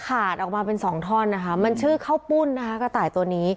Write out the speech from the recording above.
ออกมาเป็นสองท่อนนะคะมันชื่อข้าวปุ้นนะคะกระต่ายตัวนี้